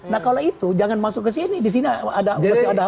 nah kalau itu jangan masuk ke sini di sini ada